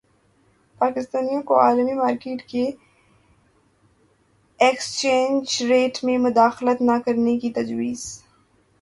پاکستان کو عالمی مارکیٹ کے ایکسچینج ریٹ میں مداخلت نہ کرنے کی تجویز